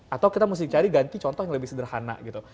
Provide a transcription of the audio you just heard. atau kita mesti cari ganti contoh yang lebih sederhana gitu